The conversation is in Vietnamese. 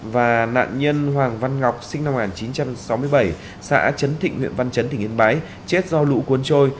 và nạn nhân hoàng văn ngọc sinh năm một nghìn chín trăm sáu mươi bảy xã chấn thịnh huyện văn chấn tỉnh yên bái chết do lũ cuốn trôi